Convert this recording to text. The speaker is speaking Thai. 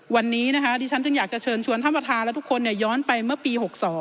วันนี้นะคะที่ฉันจึงอยากจะเชิญชวนท่านประธานและทุกคนย้อนไปเมื่อปี๖๒